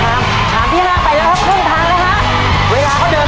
ทางที่หน้าไปแล้วครับเคลื่อนทางแล้วนะครับ